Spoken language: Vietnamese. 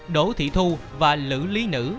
đỗ thị thu và lữ lý nữ